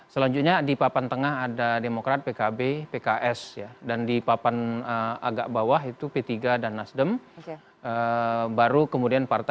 memang tidak terlihat